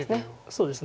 そうですね。